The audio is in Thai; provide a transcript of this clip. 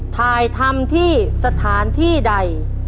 ถ่ายทำที่สถานที่ใด